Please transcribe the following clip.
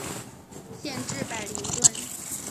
县治伯灵顿。